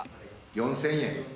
４，０００円。